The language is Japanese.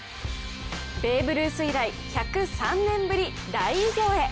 ベーブ・ルース以来１０３年ぶり、大偉業へ。